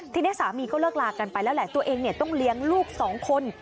ทีนี้สามีก็เลิกลากันไปแล้วแหละตัวเองต้องเลี้ยงลูกสองคน